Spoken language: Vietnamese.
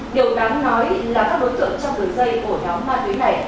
điều đáng nói là các đối tượng trong vườn dây ổ đóng ma túy này